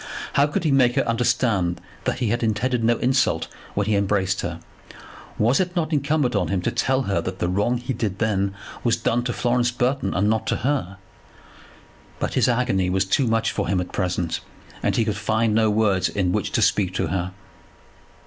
How could he make her understand that he had intended no insult when he embraced her? Was it not incumbent on him to tell her that the wrong he then did was done to Florence Burton, and not to her? But his agony was too much for him at present, and he could find no words in which to speak to her.